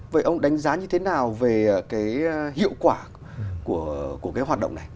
vậy ông đánh giá như thế nào về cái hiệu quả của cái hoạt động này